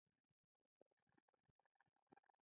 دوی شعار ورکړ چې سایمن بیرته لاړ شه.